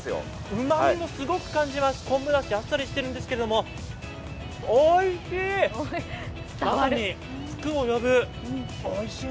うまみもすごく感じます、昆布だし、さっぱりしてるんですがおいしい。